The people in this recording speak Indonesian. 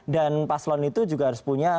dan paslon itu juga harus punya